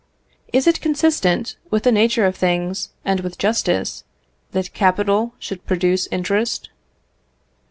Is it consistent with the nature of things, and with justice, that capital should produce interest?